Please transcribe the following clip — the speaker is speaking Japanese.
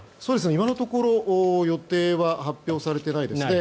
今のところ予定は発表されてないです。